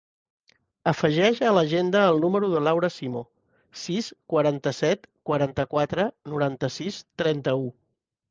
Afegeix a l'agenda el número de l'Aura Simo: sis, quaranta-set, quaranta-quatre, noranta-sis, trenta-u.